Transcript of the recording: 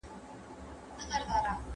¬ د مېړه زوى ږغ په اوڼي کي لا معلومېږى.